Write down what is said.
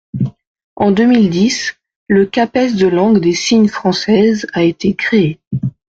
En deux mille dix, le CAPES de langue des signes française a été créé.